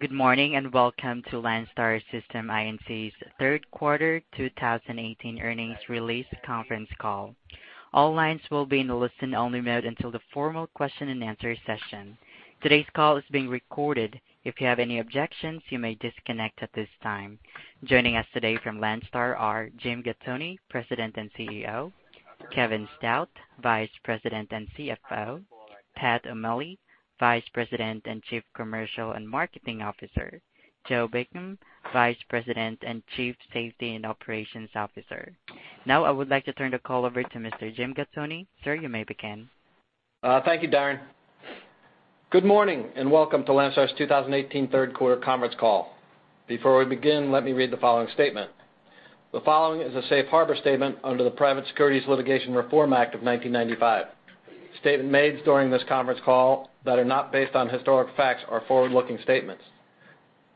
Good morning, and welcome to Landstar System Inc.'s third quarter 2018 earnings release conference call. All lines will be in a listen-only mode until the formal question-and-answer session. Today's call is being recorded. If you have any objections, you may disconnect at this time. Joining us today from Landstar are Jim Gattoni, President and CEO, Kevin Stout, Vice President and CFO, Pat O'Malley, Vice President and Chief Commercial and Marketing Officer, and Joe Beacom, Vice President and Chief Safety and Operations Officer. Now, I would like to turn the call over to Mr. Jim Gattoni. Sir, you may begin. Thank you, Darren. Good morning, and welcome to Landstar's 2018 third quarter conference call. Before we begin, let me read the following statement. The following is a safe harbor statement under the Private Securities Litigation Reform Act of 1995. Statements made during this conference call that are not based on historic facts are forward-looking statements.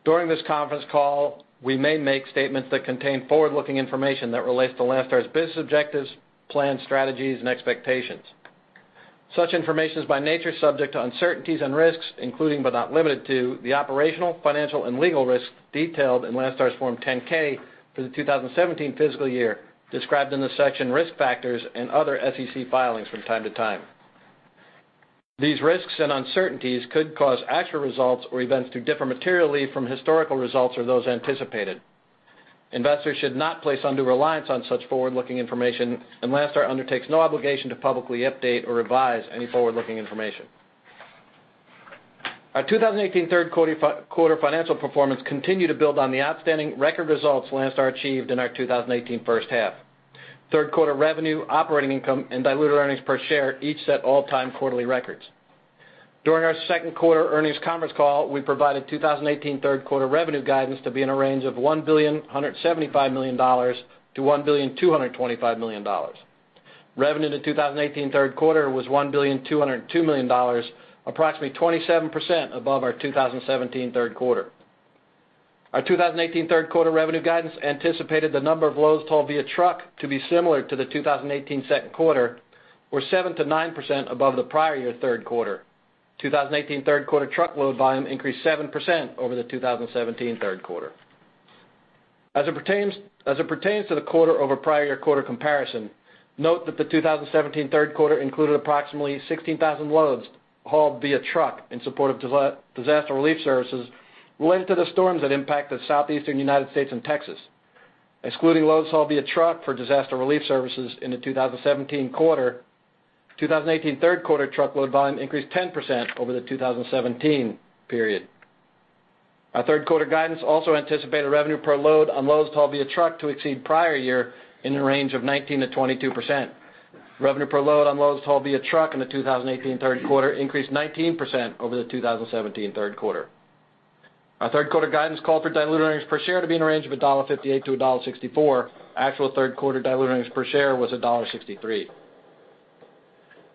During this conference call, we may make statements that contain forward-looking information that relates to Landstar's business objectives, plans, strategies, and expectations. Such information is, by nature, subject to uncertainties and risks, including but not limited to, the operational, financial, and legal risks detailed in Landstar's Form 10-K for the 2017 fiscal year, described in the section Risk Factors and other SEC filings from time to time. These risks and uncertainties could cause actual results or events to differ materially from historical results or those anticipated. Investors should not place undue reliance on such forward-looking information, and Landstar undertakes no obligation to publicly update or revise any forward-looking information. Our 2018 third quarter financial performance continued to build on the outstanding record results Landstar achieved in our 2018 first half. Third quarter revenue, operating income, and diluted earnings per share each set all-time quarterly records. During our second quarter earnings conference call, we provided 2018 third quarter revenue guidance to be in a range of $1.175 billion-$1.225 billion. Revenue in the 2018 third quarter was $1.202 billion, approximately 27% above our 2017 third quarter. Our 2018 third quarter revenue guidance anticipated the number of loads hauled via truck to be similar to the 2018 second quarter, or 7%-9% above the prior year third quarter. 2018 third quarter truckload volume increased 7% over the 2017 third quarter. As it pertains to the quarter over prior year quarter comparison, note that the 2017 third quarter included approximately 16,000 loads hauled via truck in support of disaster relief services related to the storms that impacted Southeastern United States and Texas. Excluding loads hauled via truck for disaster relief services in the 2017 quarter, 2018 third quarter truckload volume increased 10% over the 2017 period. Our third quarter guidance also anticipated revenue per load on loads hauled via truck to exceed prior year in the range of 19%-22%. Revenue per load on loads hauled via truck in the 2018 third quarter increased 19% over the 2017 third quarter. Our third quarter guidance called for diluted earnings per share to be in a range of $1.58-$1.64. Actual third quarter diluted earnings per share was $1.63.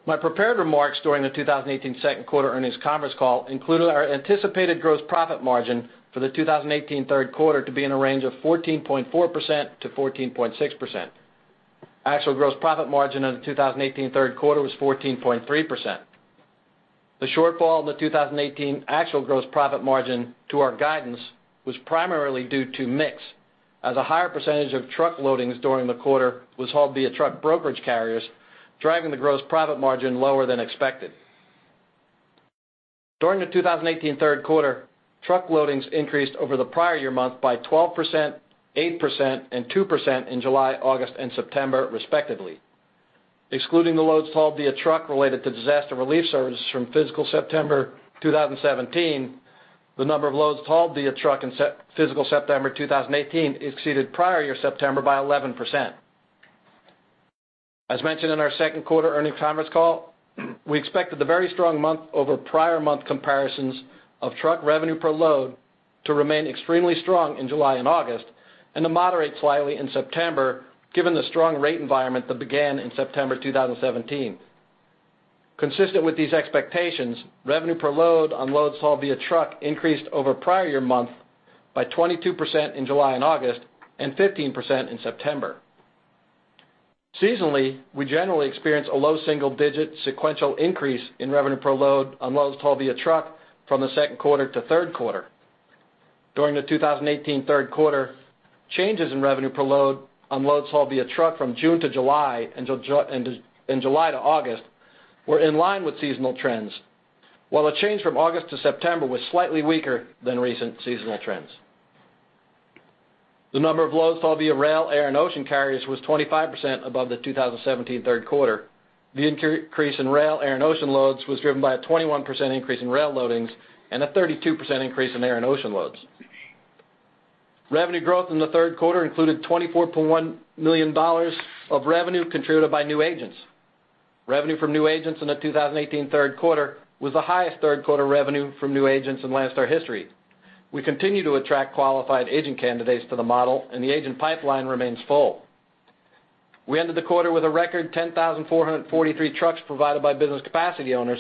My prepared remarks during the 2018 second quarter earnings conference call included our anticipated gross profit margin for the 2018 third quarter to be in a range of 14.4%-14.6%. Actual gross profit margin in the 2018 third quarter was 14.3%. The shortfall in the 2018 actual gross profit margin to our guidance was primarily due to mix, as a higher percentage of truck loadings during the quarter was hauled via truck brokerage carriers, driving the gross profit margin lower than expected. During the 2018 third quarter, truck loadings increased over the prior year month by 12%, 8%, and 2% in July, August, and September, respectively. Excluding the loads hauled via truck related to disaster relief services from fiscal September 2017, the number of loads hauled via truck in fiscal September 2018 exceeded prior year September by 11%. As mentioned in our second quarter earnings conference call, we expected the very strong month-over-month comparisons of truck revenue per load to remain extremely strong in July and August, and to moderate slightly in September, given the strong rate environment that began in September 2017. Consistent with these expectations, revenue per load on loads hauled via truck increased over prior month by 22% in July and August, and 15% in September. Seasonally, we generally experience a low single-digit sequential increase in revenue per load on loads hauled via truck from the second quarter to third quarter. During the 2018 third quarter, changes in revenue per load on loads hauled via truck from June to July and July to August were in line with seasonal trends, while a change from August to September was slightly weaker than recent seasonal trends. The number of loads hauled via rail, air, and ocean carriers was 25% above the 2017 third quarter. The increase in rail, air, and ocean loads was driven by a 21% increase in rail loadings and a 32% increase in air and ocean loads. Revenue growth in the third quarter included $24.1 million of revenue contributed by new agents. Revenue from new agents in the 2018 third quarter was the highest third quarter revenue from new agents in Landstar history. We continue to attract qualified agent candidates to the model, and the agent pipeline remains full. We ended the quarter with a record 10,443 trucks provided by business capacity owners,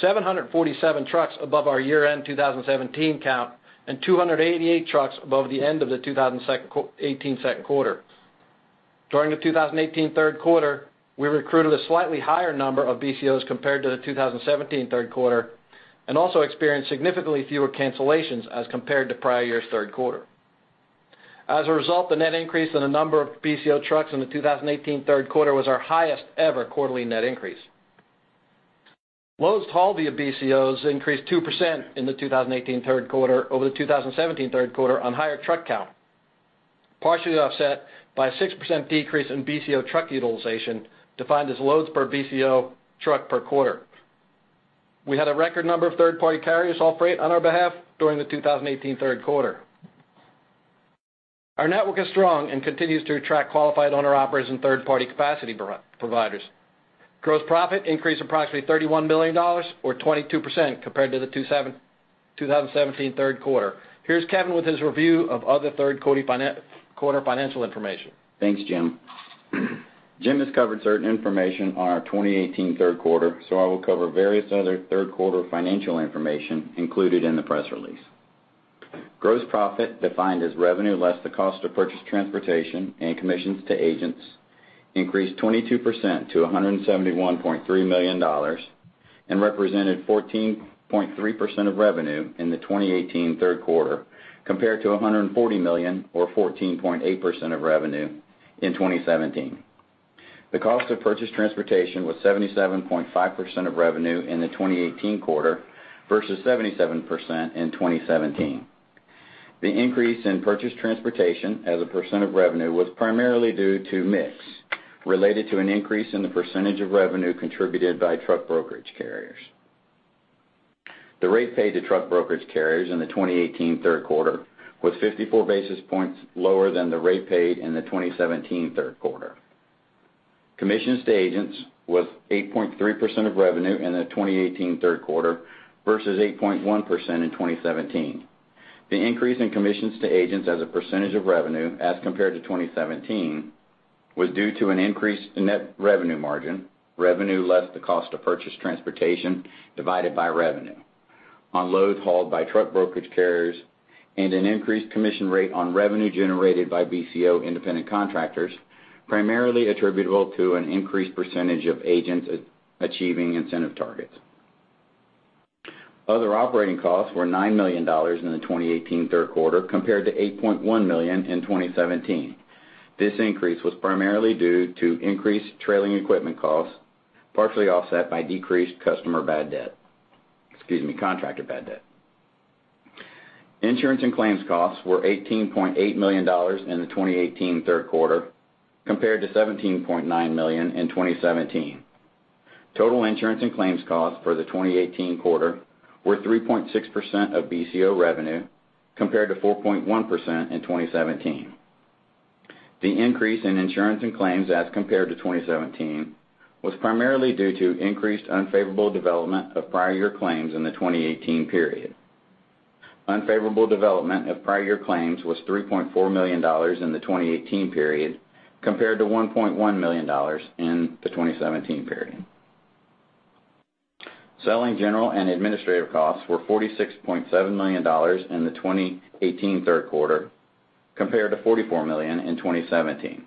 747 trucks above our year-end 2017 count, and 288 trucks above the end of the 2018 second quarter. During the 2018 third quarter, we recruited a slightly higher number of BCOs compared to the 2017 third quarter, and also experienced significantly fewer cancellations as compared to prior year's third quarter. As a result, the net increase in the number of BCO trucks in the 2018 third quarter was our highest ever quarterly net increase. Loads hauled via BCOs increased 2% in the 2018 third quarter over the 2017 third quarter on higher truck count, partially offset by a 6% decrease in BCO truck utilization, defined as loads per BCO truck per quarter. We had a record number of third-party carriers haul freight on our behalf during the 2018 third quarter. Our network is strong and continues to attract qualified owner-operators and third-party capacity providers. Gross profit increased approximately $31 million or 22% compared to the 2017 third quarter. Here's Kevin with his review of other third quarter financial information. Thanks, Jim. Jim has covered certain information on our 2018 third quarter, so I will cover various other third quarter financial information included in the press release. Gross profit, defined as revenue less the cost of purchased transportation and commissions to agents, increased 22% to $171.3 million and represented 14.3% of revenue in the 2018 third quarter, compared to $140 million or 14.8% of revenue in 2017. The cost of purchased transportation was 77.5% of revenue in the 2018 quarter versus 77% in 2017. The increase in purchased transportation as a percent of revenue was primarily due to mix, related to an increase in the percentage of revenue contributed by truck brokerage carriers. The rate paid to truck brokerage carriers in the 2018 third quarter was 54 basis points lower than the rate paid in the 2017 third quarter. Commissions to agents was 8.3% of revenue in the 2018 third quarter versus 8.1% in 2017. The increase in commissions to agents as a percentage of revenue as compared to 2017 was due to an increase in net revenue margin, revenue less the cost of purchased transportation divided by revenue, on loads hauled by truck brokerage carriers and an increased commission rate on revenue generated by BCO independent contractors, primarily attributable to an increased percentage of agents achieving incentive targets. Other operating costs were $9 million in the 2018 third quarter, compared to $8.1 million in 2017. This increase was primarily due to increased trailing equipment costs, partially offset by decreased customer bad debt, excuse me, contractor bad debt. Insurance and claims costs were $18.8 million in the 2018 third quarter, compared to $17.9 million in 2017. Total insurance and claims costs for the 2018 quarter were 3.6% of BCO revenue, compared to 4.1% in 2017. The increase in insurance and claims as compared to 2017 was primarily due to increased unfavorable development of prior year claims in the 2018 period. Unfavorable development of prior year claims was $3.4 million in the 2018 period, compared to $1.1 million in the 2017 period. Selling, general, and administrative costs were $46.7 million in the 2018 third quarter, compared to $44 million in the 2017 third quarter.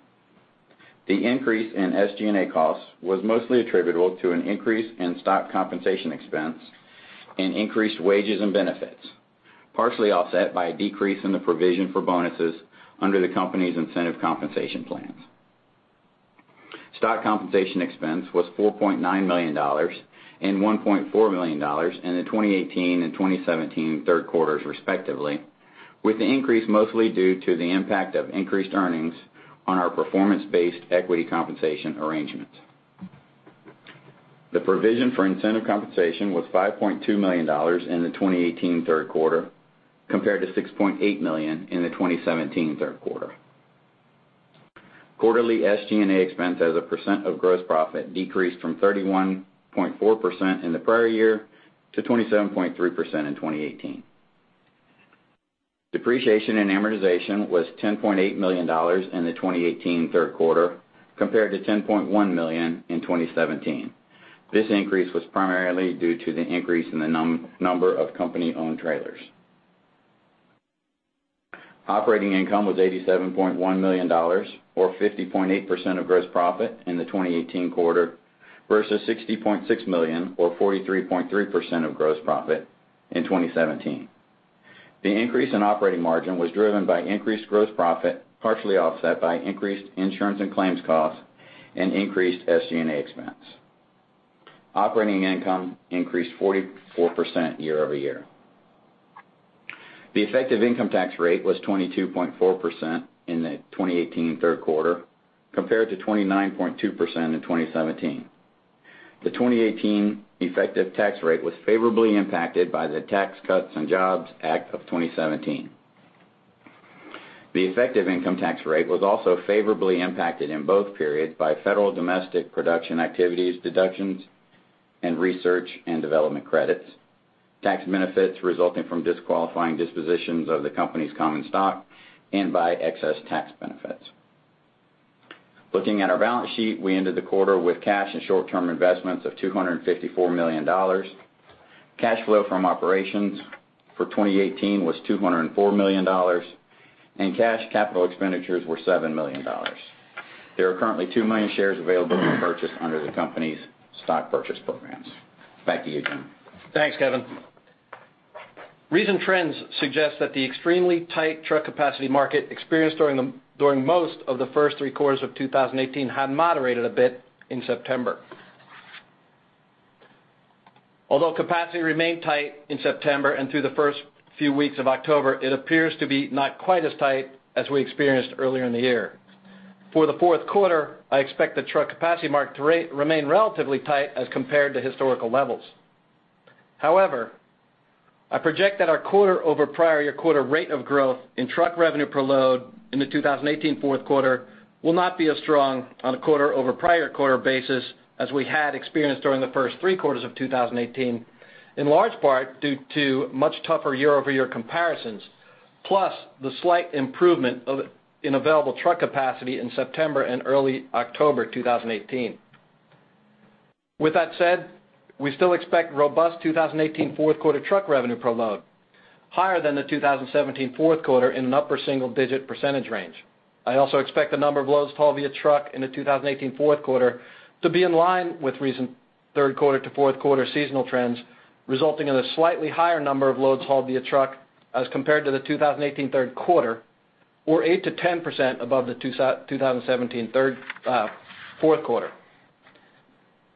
The increase in SG&A costs was mostly attributable to an increase in stock compensation expense and increased wages and benefits, partially offset by a decrease in the provision for bonuses under the company's incentive compensation plans. Stock compensation expense was $4.9 million and $1.4 million in the 2018 and 2017 third quarters, respectively, with the increase mostly due to the impact of increased earnings on our performance-based equity compensation arrangements. The provision for incentive compensation was $5.2 million in the 2018 third quarter, compared to $6.8 million in the 2017 third quarter. Quarterly SG&A expense as a percent of gross profit decreased from 31.4% in the prior year to 27.3% in 2018. Depreciation and amortization was $10.8 million in the 2018 third quarter, compared to $10.1 million in 2017. This increase was primarily due to the increase in the number of company-owned trailers. Operating income was $87.1 million, or 50.8% of gross profit in the 2018 quarter, versus $60.6 million, or 43.3% of gross profit in 2017. The increase in operating margin was driven by increased gross profit, partially offset by increased insurance and claims costs and increased SG&A expense. Operating income increased 44% year-over-year. The effective income tax rate was 22.4% in the 2018 third quarter, compared to 29.2% in 2017. The 2018 effective tax rate was favorably impacted by the Tax Cuts and Jobs Act of 2017. The effective income tax rate was also favorably impacted in both periods by federal domestic production activities deductions, and research and development credits, tax benefits resulting from disqualifying dispositions of the company's common stock, and by excess tax benefits. Looking at our balance sheet, we ended the quarter with cash and short-term investments of $254 million. Cash flow from operations for 2018 was $204 million, and cash capital expenditures were $7 million. There are currently 2 million shares available to be purchased under the company's stock purchase programs. Back to you, Jim. Thanks, Kevin. Recent trends suggest that the extremely tight truck capacity market experienced during most of the first three quarters of 2018 had moderated a bit in September. Although capacity remained tight in September and through the first few weeks of October, it appears to be not quite as tight as we experienced earlier in the year. For the fourth quarter, I expect the truck capacity market to remain relatively tight as compared to historical levels. However, I project that our quarter-over-prior-year-quarter rate of growth in truck revenue per load in the 2018 fourth quarter will not be as strong on a quarter-over-prior-quarter basis as we had experienced during the first three quarters of 2018, in large part due to much tougher year-over-year comparisons, plus the slight improvement of in available truck capacity in September and early October 2018. With that said, we still expect robust 2018 fourth quarter truck revenue per load, higher than the 2017 fourth quarter in an upper single-digit % range. I also expect the number of loads hauled via truck in the 2018 fourth quarter to be in line with recent third quarter to fourth quarter seasonal trends, resulting in a slightly higher number of loads hauled via truck as compared to the 2018 third quarter, or 8%-10% above the 2017 third, fourth quarter.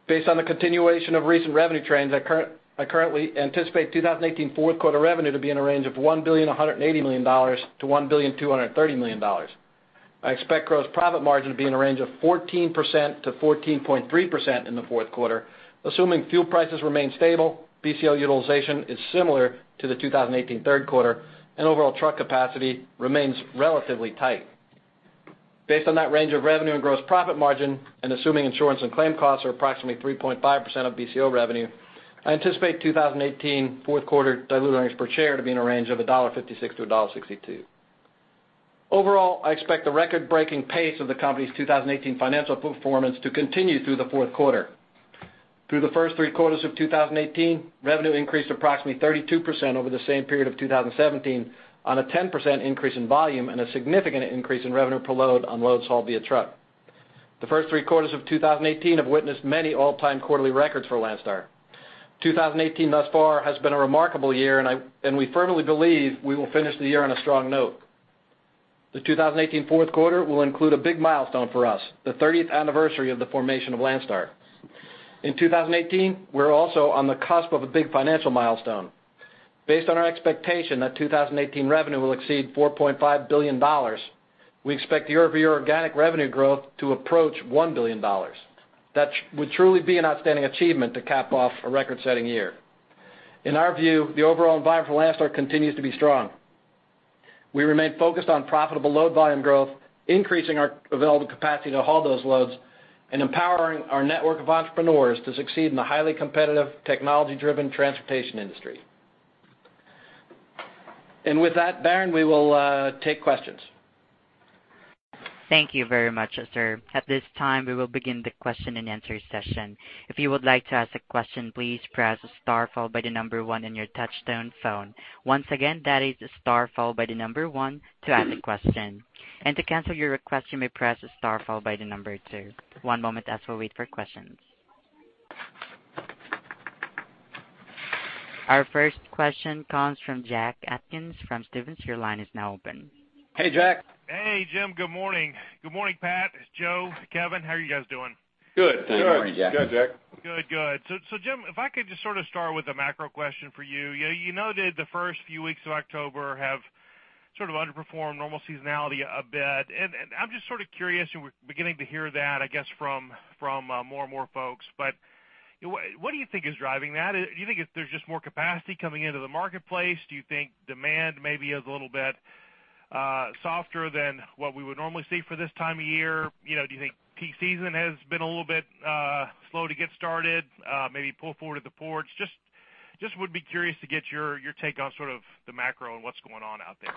Based on the continuation of recent revenue trends, I currently anticipate 2018 fourth quarter revenue to be in a range of $1.18 billion-$1.23 billion. I expect gross profit margin to be in a range of 14%-14.3% in the fourth quarter, assuming fuel prices remain stable, BCO utilization is similar to the 2018 third quarter, and overall truck capacity remains relatively tight. Based on that range of revenue and gross profit margin, and assuming insurance and claim costs are approximately 3.5% of BCO revenue, I anticipate 2018 fourth quarter diluted earnings per share to be in a range of $1.56-$1.62. Overall, I expect the record-breaking pace of the company's 2018 financial performance to continue through the fourth quarter. Through the first three quarters of 2018, revenue increased approximately 32% over the same period of 2017, on a 10% increase in volume and a significant increase in revenue per load on loads hauled via truck. The first three quarters of 2018 have witnessed many all-time quarterly records for Landstar. 2018, thus far, has been a remarkable year, and and we firmly believe we will finish the year on a strong note. The 2018 fourth quarter will include a big milestone for us, the 30th anniversary of the formation of Landstar. In 2018, we're also on the cusp of a big financial milestone. Based on our expectation that 2018 revenue will exceed $4.5 billion, we expect year-over-year organic revenue growth to approach $1 billion. That would truly be an outstanding achievement to cap off a record-setting year. In our view, the overall environment for Landstar continues to be strong. We remain focused on profitable load volume growth, increasing our available capacity to haul those loads, and empowering our network of entrepreneurs to succeed in the highly competitive, technology-driven transportation industry. And with that, Darren, we will take questions. Thank you very much, sir. At this time, we will begin the question-and-answer session. If you would like to ask a question, please press star followed by the number one in your touchtone phone. Once again, that is star followed by the number one to ask a question. To cancel your request, you may press star followed by the number two. One moment as we wait for questions. Our first question comes from Jack Atkins from Stephens. Your line is now open. Hey, Jack. Hey, Jim. Good morning. Good morning, Pat, Joe, Kevin. How are you guys doing? Good. Good morning, Jack. Good, Jack. Good, good. So, Jim, if I could just sort of start with a macro question for you. You noted the first few weeks of October have sort of underperformed normal seasonality a bit. And I'm just sort of curious, and we're beginning to hear that, I guess, from more and more folks, but what do you think is driving that? Do you think it's there's just more capacity coming into the marketplace? Do you think demand maybe is a little bit softer than what we would normally see for this time of year? You know, do you think peak season has been a little bit slow to get started, maybe pull forward at the ports? Just would be curious to get your take on sort of the macro and what's going on out there.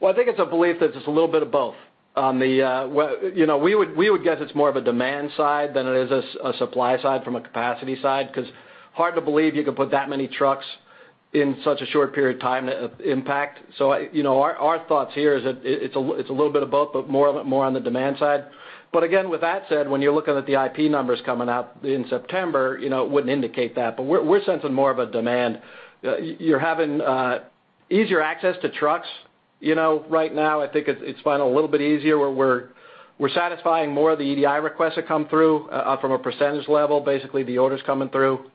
Well, I think it's a belief that it's a little bit of both. On the, well, you know, we would, we would guess it's more of a demand side than it is a supply side from a capacity side, 'cause hard to believe you could put that many trucks in such a short period of time, impact. So, I, you know, our, our thoughts here is that it, it's a, it's a little bit of both, but more of it, more on the demand side. But again, with that said, when you're looking at the IP numbers coming out in September, you know, it wouldn't indicate that, but we're, we're sensing more of a demand. You're having easier access to trucks, you know. Right now, I think it's been a little bit easier, where we're satisfying more of the EDI requests that come through from a percentage level, basically the orders coming through.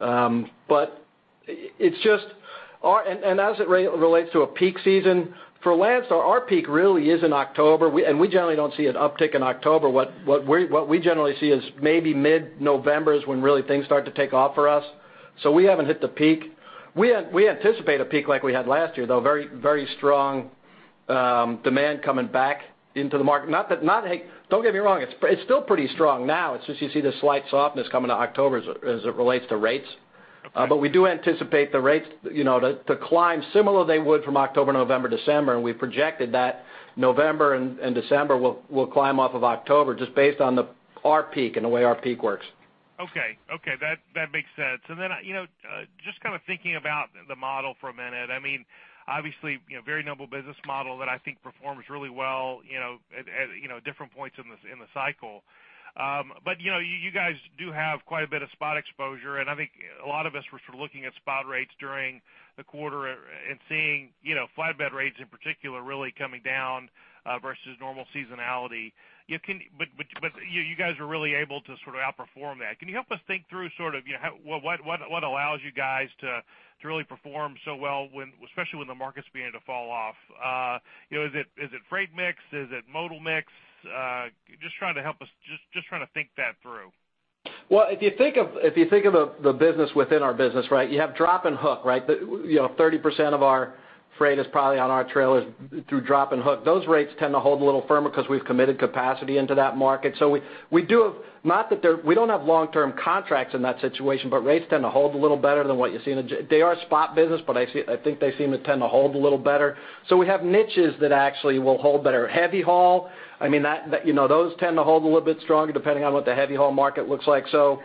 But as it relates to a peak season, for Landstar, our peak really is in October. We generally don't see an uptick in October. What we generally see is maybe mid-November is when really things start to take off for us. So we haven't hit the peak. We anticipate a peak like we had last year, though, very, very strong demand coming back into the market. Not that, not. Hey, don't get me wrong, it's still pretty strong now. It's just you see the slight softness coming to October as it relates to rates. Okay. But we do anticipate the rates, you know, to climb similar they would from October, November, December, and we've projected that November and December will climb off of October, just based on the, our peak and the way our peak works. Okay, okay, that, that makes sense. And then, you know, just kind of thinking about the model for a minute. I mean, obviously, you know, very noble business model that I think performs really well, you know, at different points in the cycle. But, you know, you guys do have quite a bit of spot exposure, and I think a lot of us were sort of looking at spot rates during the quarter and seeing, you know, flatbed rates in particular, really coming down versus normal seasonality. But you guys were really able to sort of outperform that. Can you help us think through sort of, you know, how what allows you guys to really perform so well when, especially when the market's beginning to fall off? You know, is it, is it freight mix? Is it modal mix? Just trying to help us, just, just trying to think that through. Well, if you think of the business within our business, right? You have drop and hook, right? You know, 30% of our freight is probably on our trailers through drop and hook. Those rates tend to hold a little firmer because we've committed capacity into that market. So we do have, not that they're, we don't have long-term contracts in that situation, but rates tend to hold a little better than what you see in the... They are spot business, but I think they seem to tend to hold a little better. So we have niches that actually will hold better. Heavy haul, I mean, that, you know, those tend to hold a little bit stronger, depending on what the heavy haul market looks like. So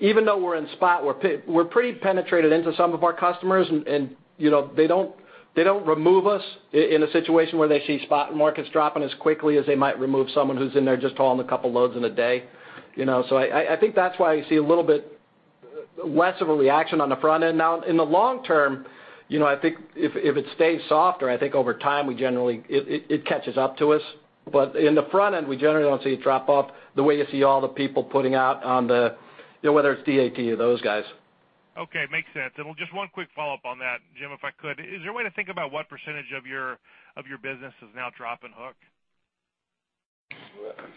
even though we're in spot, we're pretty penetrated into some of our customers, and you know, they don't remove us in a situation where they see spot markets dropping as quickly as they might remove someone who's in there just hauling a couple loads in a day, you know? So I think that's why you see a little bit less of a reaction on the front end. Now, in the long term, you know, I think if it stays softer, I think over time, we generally it catches up to us. But in the front end, we generally don't see a drop off the way you see all the people putting out on the, you know, whether it's DAT or those guys. Okay, makes sense. Just one quick follow-up on that, Jim, if I could. Is there a way to think about what percentage of your business is now drop and hook?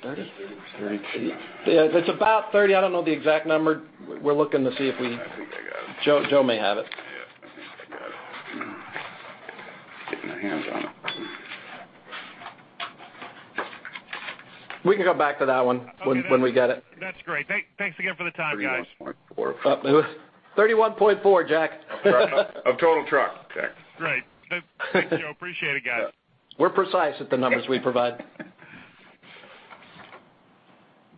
30%? 30%. Yeah, it's about 30%. I don't know the exact number. We're looking to see if we- I think I got it. Joe, Joe may have it. Yeah, I think I got it. Getting my hands on it. We can go back to that one when we get it. That's great. Thanks, thanks again for the time, guys. 31.4%. 31.4%, Jack. Of total truck, Jack. Great. Thanks, Joe. Appreciate it, guys. We're precise with the numbers we provide.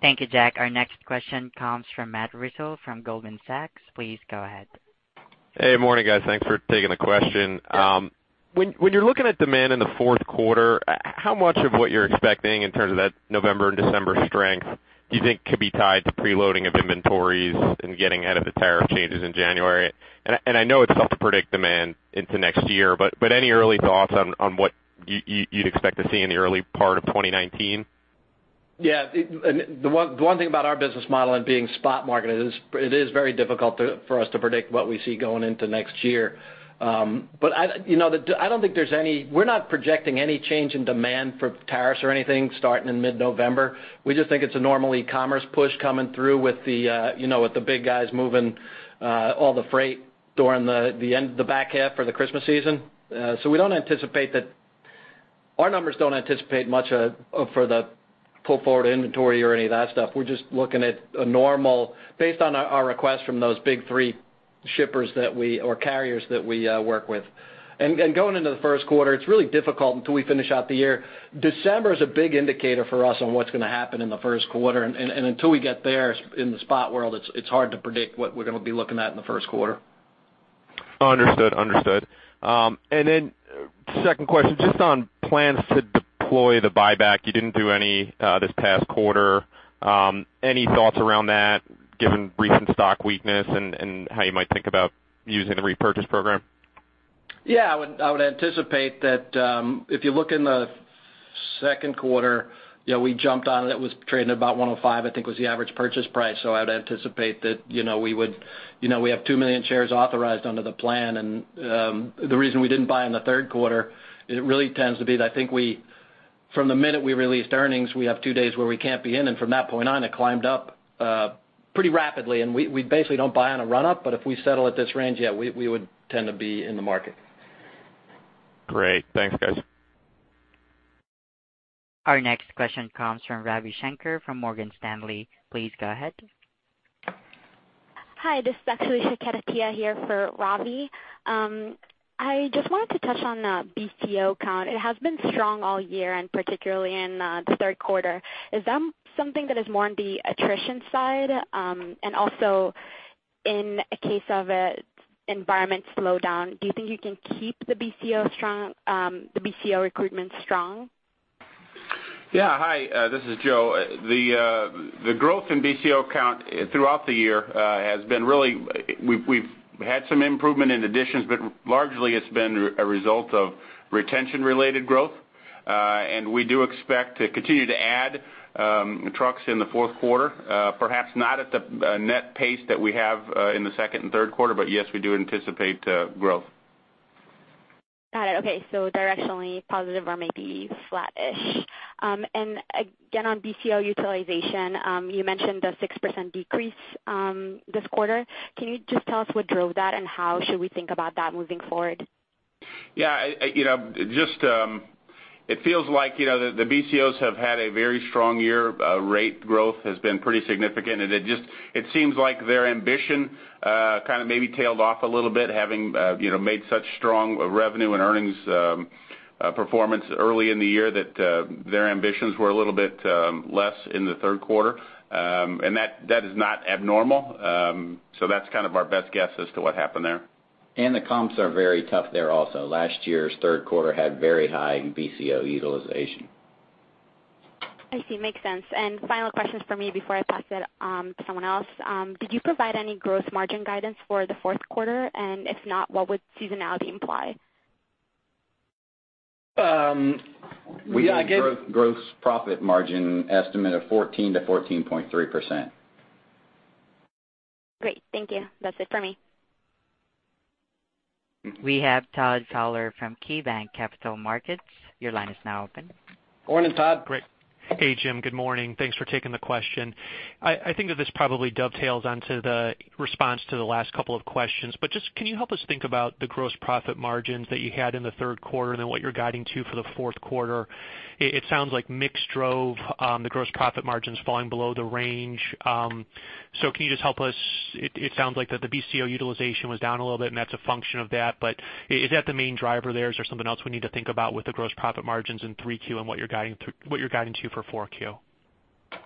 Thank you, Jack. Our next question comes from Matt Russell, from Goldman Sachs. Please go ahead. Hey, morning, guys. Thanks for taking the question. When you're looking at demand in the fourth quarter, how much of what you're expecting in terms of that November and December strength, do you think could be tied to preloading of inventories and getting ahead of the tariff changes in January? And I know it's tough to predict demand into next year, but any early thoughts on what you'd expect to see in the early part of 2019? Yeah, the one thing about our business model and being spot market is it is very difficult for us to predict what we see going into next year. But, you know, I don't think there's any, we're not projecting any change in demand for tariffs or anything starting in mid-November. We just think it's a normal e-commerce push coming through with the, you know, with the big guys moving all the freight during the end, the back half for the Christmas season. So, we don't anticipate that, our numbers don't anticipate much for the pull forward inventory or any of that stuff. We're just looking at a normal based on our request from those big three shippers or carriers that we work with. And going into the first quarter, it's really difficult until we finish out the year. December is a big indicator for us on what's going to happen in the first quarter, and until we get there in the spot world, it's hard to predict what we're going to be looking at in the first quarter. Understood, understood. And then second question, just on plans to deploy the buyback. You didn't do any this past quarter. Any thoughts around that, given recent stock weakness and how you might think about using the repurchase program? Yeah, I would, I would anticipate that if you look in the second quarter, you know, we jumped on it. It was trading at about $105, I think, was the average purchase price. So, I would anticipate that, you know, we would, you know, we have 2 million shares authorized under the plan, and the reason we didn't buy in the third quarter, it really tends to be that I think we, from the minute we released earnings, we have two days where we can't be in, and from that point on, it climbed up pretty rapidly, and we, we basically don't buy on a run-up, but if we settle at this range, yeah, we, we would tend to be in the market. Great. Thanks, guys. Our next question comes from Ravi Shanker, from Morgan Stanley. Please go ahead. Hi, this is actually Shakira Ali here for Ravi. I just wanted to touch on BCO count. It has been strong all year, and particularly in the third quarter. Is that something that is more on the attrition side? And also, in a case of a environment slowdown, do you think you can keep the BCO strong, the BCO recruitment strong? Yeah. Hi, this is Joe. The growth in BCO count throughout the year has been really, we've had some improvement in additions, but largely it's been a result of retention-related growth. And we do expect to continue to add trucks in the fourth quarter, perhaps not at the net pace that we have in the second and third quarter, but yes, we do anticipate growth. Got it. Okay, so directionally positive or maybe flattish. And again, on BCO utilization, you mentioned a 6% decrease, this quarter. Can you just tell us what drove that and how should we think about that moving forward? Yeah, you know, just, it feels like, you know, the BCOs have had a very strong year. Rate growth has been pretty significant, and it just seems like their ambition kind of maybe tailed off a little bit, having you know, made such strong revenue and earnings performance early in the year, that their ambitions were a little bit less in the third quarter. That is not abnormal. That's kind of our best guess as to what happened there. The comps are very tough there also. Last year's third quarter had very high BCO utilization. I see. Makes sense. Final questions for me before I pass it to someone else. Did you provide any growth margin guidance for the fourth quarter? And if not, what would seasonality imply? Gross profit margin estimate of 14%-14.3%. Great. Thank you. That's it for me. We have Todd Fowler from KeyBanc Capital Markets. Your line is now open. Morning, Todd. Great. Hey, Jim. Good morning. Thanks for taking the question. I think that this probably dovetails onto the response to the last couple of questions, but just can you help us think about the gross profit margins that you had in the third quarter and then what you're guiding to for the fourth quarter? It sounds like mix drove the gross profit margins falling below the range. So can you just help us? It sounds like that the BCO utilization was down a little bit, and that's a function of that, but is that the main driver there, or is there something else we need to think about with the gross profit margins in 3Q and what you're guiding to for 4Q?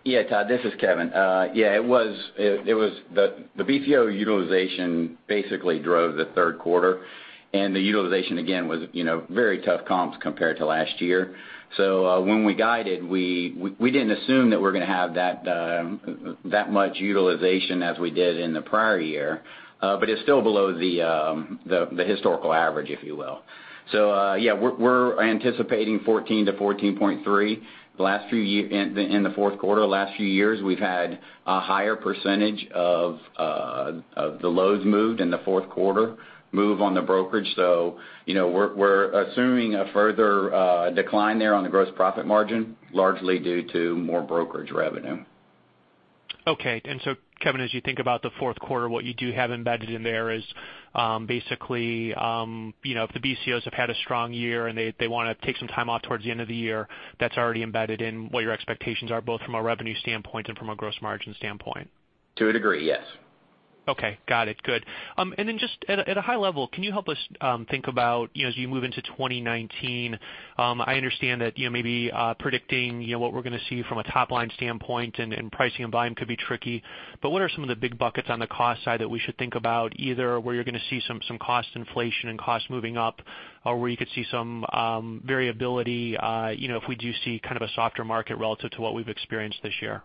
Yeah, Todd, this is Kevin. Yeah, it was. It was the BCO utilization basically drove the third quarter, and the utilization, again, was, you know, very tough comps compared to last year. So, when we guided, we didn't assume that we're gonna have that much utilization as we did in the prior year, but it's still below the historical average, if you will. So, yeah, we're anticipating 14-14.3. In the fourth quarter, the last few years, we've had a higher percentage of the loads moved in the fourth quarter, move on the brokerage. So, you know, we're assuming a further decline there on the gross profit margin, largely due to more brokerage revenue. Okay. And so, Kevin, as you think about the fourth quarter, what you do have embedded in there is, basically, you know, if the BCOs have had a strong year, and they want to take some time off towards the end of the year, that's already embedded in what your expectations are, both from a revenue standpoint and from a gross margin standpoint? To a degree, yes. Okay. Got it. Good. And then just at a, at a high level, can you help us think about, you know, as you move into 2019, I understand that, you know, maybe predicting, you know, what we're gonna see from a top-line standpoint and, and pricing and volume could be tricky, but what are some of the big buckets on the cost side that we should think about, either where you're gonna see some, some cost inflation and costs moving up, or where you could see some variability, you know, if we do see kind of a softer market relative to what we've experienced this year?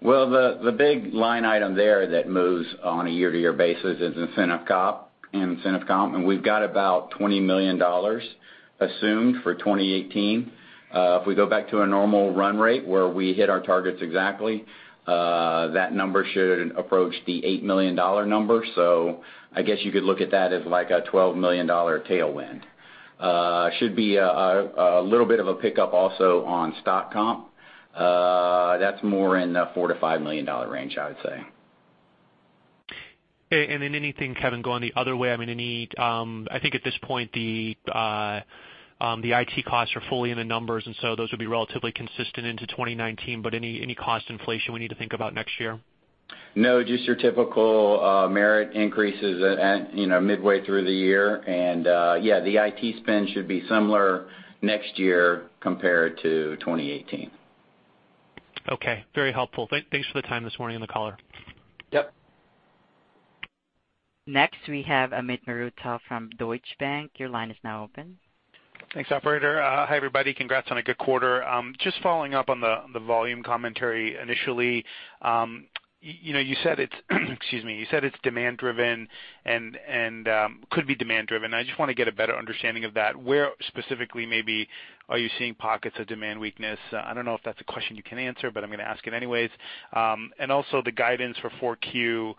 Well, the big line item there that moves on a year-to-year basis is incentive comp, incentive comp, and we've got about $20 million assumed for 2018. If we go back to a normal run rate where we hit our targets exactly, that number should approach the $8 million number. So, I guess you could look at that as like a $12 million tailwind. Should be a little bit of a pickup also on stock comp. That's more in the $4 million-$5 million range, I would say. Anything, Kevin, going the other way? I mean, any, I think at this point, the IT costs are fully in the numbers, and so those would be relatively consistent into 2019, but any cost inflation we need to think about next year? No, just your typical merit increases at, you know, midway through the year. And, yeah, the IT spend should be similar next year compared to 2018. Okay. Very helpful. Thanks for the time this morning on the call. Yep. Next, we have Amit Mehrotra from Deutsche Bank. Your line is now open. Thanks, operator. Hi, everybody. Congrats on a good quarter. Just following up on the volume commentary initially. You know, you said it's demand driven and could be demand driven. I just want to get a better understanding of that. Where specifically maybe are you seeing pockets of demand weakness? I don't know if that's a question you can answer, but I'm gonna ask it anyways. And also, the guidance for 4Q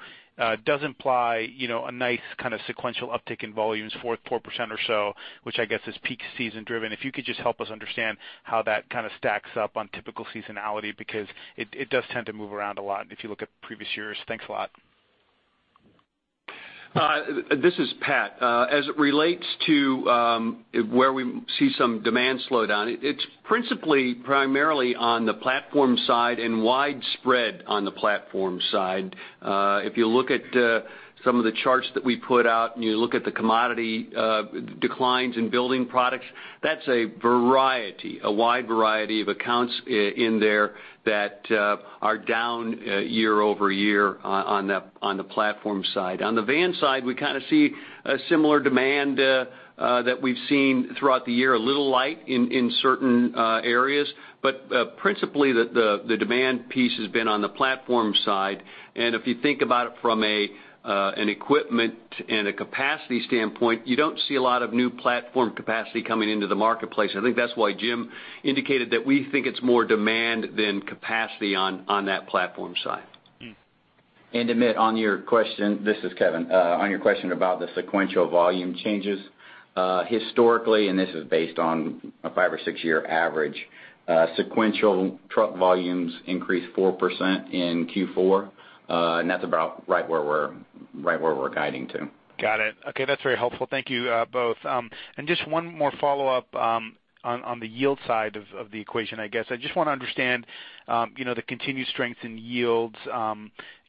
does imply, you know, a nice kind of sequential uptick in volumes, 4% or so, which I guess is peak season driven. If you could just help us understand how that kind of stacks up on typical seasonality, because it does tend to move around a lot if you look at previous years. Thanks a lot. This is Pat. As it relates to where we see some demand slowdown, it's principally primarily on the platform side and widespread on the platform side. If you look at some of the charts that we put out and you look at the commodity declines in building products, that's a variety, a wide variety of accounts in there that are down year-over-year on the platform side. On the van side, we kind of see a similar demand that we've seen throughout the year, a little light in certain areas. But principally, the demand piece has been on the platform side. And if you think about it from an equipment and a capacity standpoint, you don't see a lot of new platform capacity coming into the marketplace. I think that's why Jim indicated that we think it's more demand than capacity on that platform side. Amit, on your question, this is Kevin. On your question about the sequential volume changes, historically, and this is based on a five or six-year average, sequential truck volumes increased 4% in Q4, and that's about right where we're, right where we're guiding to. Got it. Okay, that's very helpful. Thank you, both. And just one more follow-up on the yield side of the equation, I guess. I just want to understand, you know, the continued strength in yields,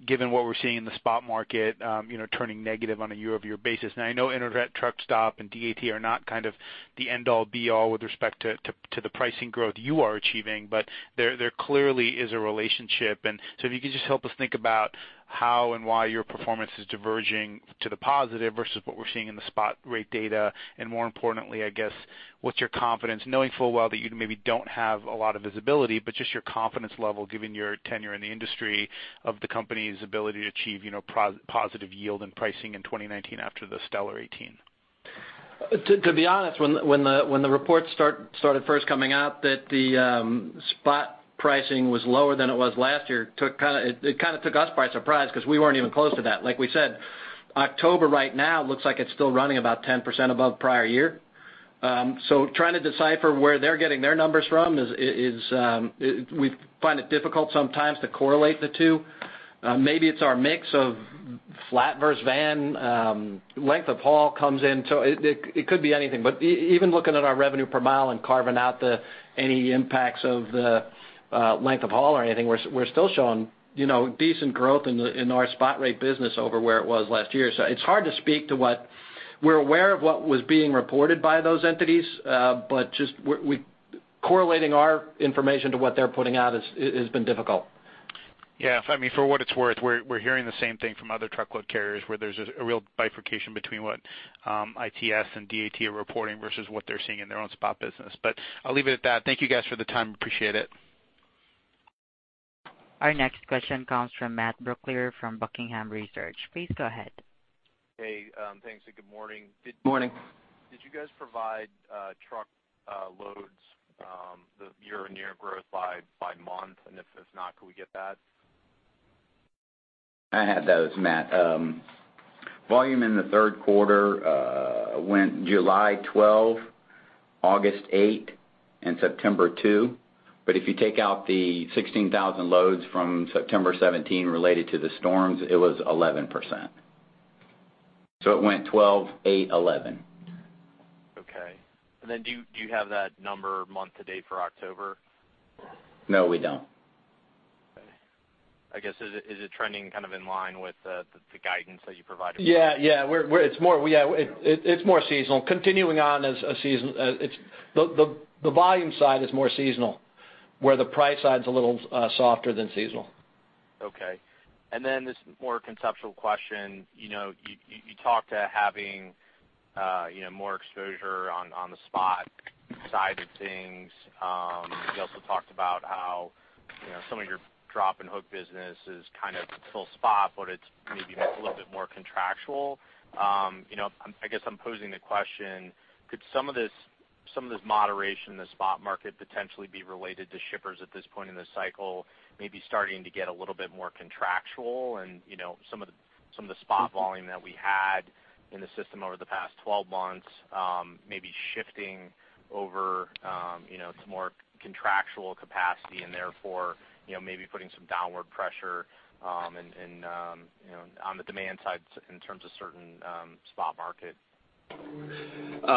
given what we're seeing in the spot market, you know, turning negative on a year-over-year basis. Now, I know Internet Truckstop and DAT are not kind of the end all be all with respect to the pricing growth you are achieving, but there clearly is a relationship. If you could just help us think about how and why your performance is diverging to the positive versus what we're seeing in the spot rate data, and more importantly, I guess, what's your confidence, knowing full well that you maybe don't have a lot of visibility, but just your confidence level, given your tenure in the industry, of the company's ability to achieve, you know, positive yield and pricing in 2019 after the stellar 2018? To be honest, when the reports started first coming out that the spot pricing was lower than it was last year, took kind of. It kind of took us by surprise because we weren't even close to that. Like we said, October right now looks like it's still running about 10% above prior year. So trying to decipher where they're getting their numbers from is we find it difficult sometimes to correlate the two. Maybe it's our mix of flat versus van, length of haul comes in, so it could be anything. Even looking at our revenue per mile and carving out any impacts of the length of haul or anything, we're still showing, you know, decent growth in our spot rate business over where it was last year. It's hard to speak to what, we're aware of what was being reported by those entities, but just we, correlating our information to what they're putting out has been difficult. Yeah, I mean, for what it's worth, we're, we're hearing the same thing from other truckload carriers, where there's a, a real bifurcation between what, ITS and DAT are reporting versus what they're seeing in their own spot business. But I'll leave it at that. Thank you guys for the time. Appreciate it. Our next question comes from Matt Brooklier from Buckingham Research. Please go ahead. Hey, thanks, and good morning. Good morning. Did you guys provide truck loads the year-on-year growth by month? If not, could we get that? I have those, Matt. Volume in the third quarter went July, 12%; August, 8%; and September, 2%. But if you take out the 16,000 loads from September 2017 related to the storms, it was 11%. So it went 12%, 8%, 11%. Okay. Do you, do you have that number month to date for October? No, we don't. Okay. I guess, is it trending kind of in line with the guidance that you provided? Yeah, yeah, we're. It's more, yeah, it, it's more seasonal. Continuing on as a seasonal. The volume side is more seasonal, where the price side is a little softer than seasonal. Okay. And then this more conceptual question. You know, you talked about having, you know, more exposure on the spot side of things. You also talked about how, you know, some of your drop and hook business is kind of full spot, but it's maybe a little bit more contractual. you know, I'm, I guess I'm posing the question: Could some of this, some of this moderation in the spot market potentially be related to shippers at this point in the cycle, maybe starting to get a little bit more contractual and, you know, some of the, some of the spot volume that we had in the system over the past 12 months, maybe shifting over, you know, to more contractual capacity and therefore, you know, maybe putting some downward pressure, and, and, you know, on the demand side in terms of certain, spot market?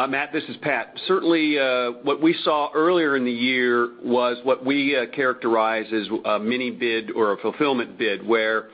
Matt, this is Pat. Certainly, what we saw earlier in the year was what we characterize as a mini bid or a fulfillment bid, where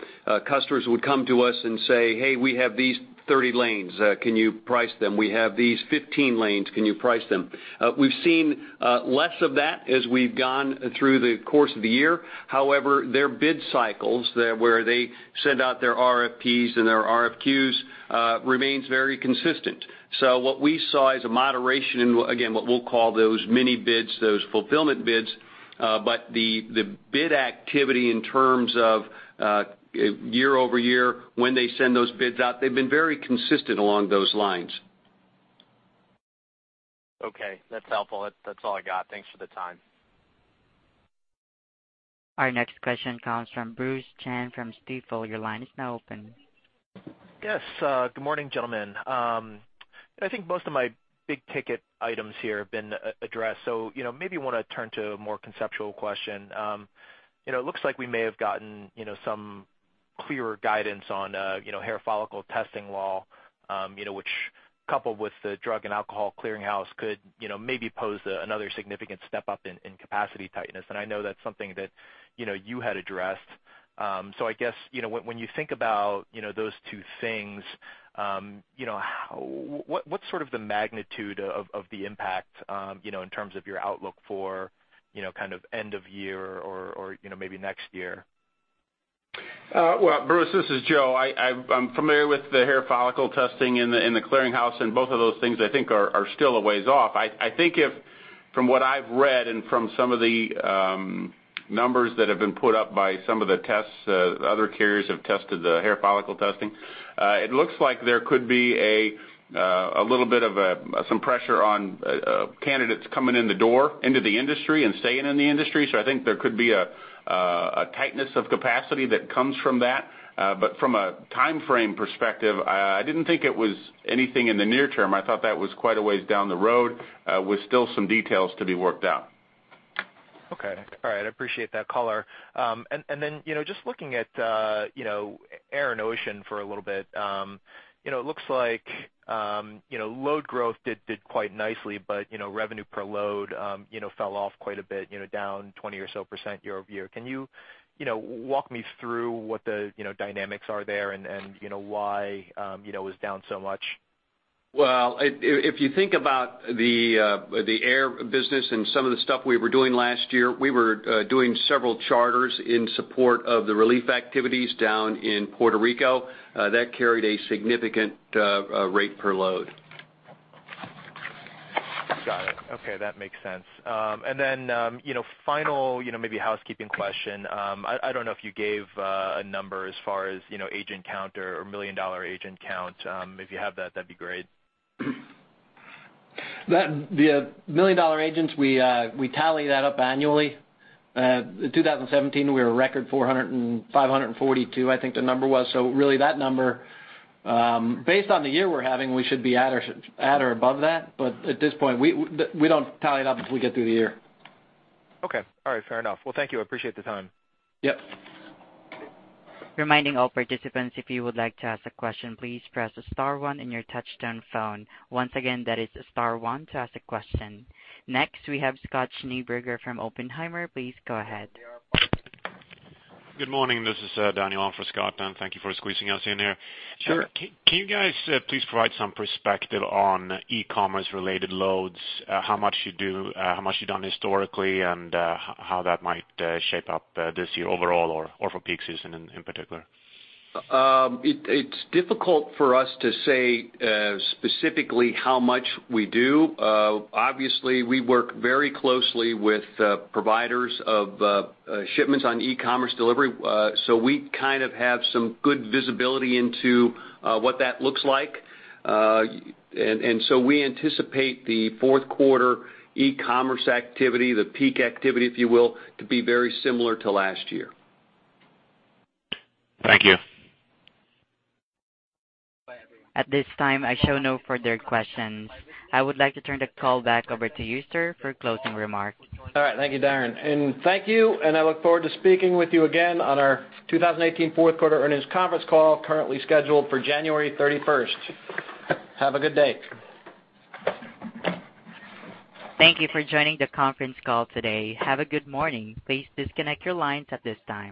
customers would come to us and say, "Hey, we have these 30 lanes. Can you price them? We have these 15 lanes. Can you price them?" We've seen less of that as we've gone through the course of the year. However, their bid cycles, where they send out their RFPs and their RFQs, remains very consistent. So what we saw as a moderation in, again, what we'll call those mini bids, those fulfillment bids, but the bid activity in terms of year-over-year, when they send those bids out, they've been very consistent along those lines. Okay, that's helpful. That's all I got. Thanks for the time. Our next question comes from Bruce Chan from Stifel. Your line is now open. Yes. Good morning, gentlemen. I think most of my big-ticket items here have been addressed, so, you know, maybe want to turn to a more conceptual question. You know, it looks like we may have gotten, you know, some clearer guidance on, you know, hair follicle testing law, you know, which coupled with the Drug and Alcohol Clearinghouse, could, you know, maybe pose another significant step-up in, in capacity tightness. And I know that's something that, you know, you had addressed. So I guess, you know, when, when you think about, you know, those two things, you know, how... What, what's sort of the magnitude of, of the impact, you know, in terms of your outlook for, you know, kind of end of year or, or, you know, maybe next year? Well, Bruce, this is Joe. I'm familiar with the hair follicle testing and the clearinghouse, and both of those things I think are still a ways off. I think if, from what I've read and from some of the numbers that have been put up by some of the tests, other carriers have tested the hair follicle testing, it looks like there could be a little bit of some pressure on candidates coming in the door into the industry and staying in the industry. So I think there could be a tightness of capacity that comes from that. But from a timeframe perspective, I didn't think it was anything in the near term. I thought that was quite a ways down the road, with still some details to be worked out. Okay. All right, I appreciate that color. And then, you know, just looking at, you know, air and ocean for a little bit, you know, it looks like, you know, load growth did quite nicely, but, you know, revenue per load, you know, fell off quite a bit, you know, down 20% or so year-over-year. Can you, you know, walk me through what the, you know, dynamics are there and, you know, why, you know, it was down so much? Well, if you think about the air business and some of the stuff we were doing last year, we were doing several charters in support of the relief activities down in Puerto Rico. That carried a significant rate per load. Got it. Okay, that makes sense. And then, you know, final, you know, maybe housekeeping question. I don't know if you gave a number as far as, you know, agent count or million-dollar agent count. If you have that, that'd be great. That, the million-dollar agents, we tally that up annually. In 2017, we were a record 452, I think the number was. So really that number, based on the year we're having, we should be at or above that. But at this point, we don't tally it up until we get through the year. Okay. All right, fair enough. Well, thank you. I appreciate the time. Yep. Reminding all participants, if you would like to ask a question, please press star one on your touch-tone phone. Once again, that is star one to ask a question. Next, we have Scott Schneeberger from Oppenheimer. Please go ahead. Good morning. This is Daniel on for Scott, and thank you for squeezing us in here. Sure. Can you guys please provide some perspective on e-commerce-related loads? How much you do, how much you've done historically, and how that might shape up this year overall or for peak season in particular? It's difficult for us to say specifically how much we do. Obviously, we work very closely with providers of shipments on e-commerce delivery, so we kind of have some good visibility into what that looks like. And so we anticipate the fourth quarter e-commerce activity, the peak activity, if you will, to be very similar to last year. Thank you. At this time, I show no further questions. I would like to turn the call back over to you, sir, for closing remarks. All right. Thank you, Darren, and thank you, and I look forward to speaking with you again on our 2018 fourth quarter earnings conference call, currently scheduled for January thirty-first. Have a good day. Thank you for joining the conference call today. Have a good morning. Please disconnect your lines at this time.